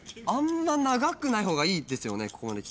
あんま長くない方がいいですよね？